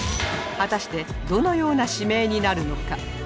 果たしてどのような指名になるのか